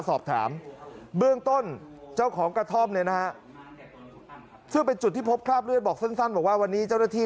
ซึ่งเป็นจุดที่พบคราบเลือดบอกสั้นว่าวันนี้เจ้าหน้าที่